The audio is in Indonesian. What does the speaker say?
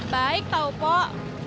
baik tau pok